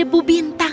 ini debu bintang